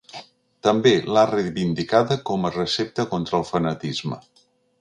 També l’ha reivindicada com a recepta contra el fanatisme.